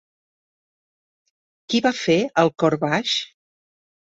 Qui va fer El cor baix?